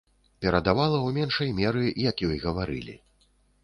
Перадавала ў меншай меры, як ёй гаварылі.